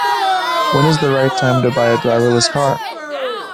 When is the right time to buy a driver-less car?